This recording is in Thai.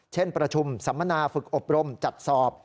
เช่นประชุมสัมมนาฝึกอบรมจัดสอบ